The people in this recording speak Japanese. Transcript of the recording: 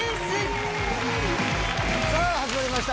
今夜はさぁ始まりました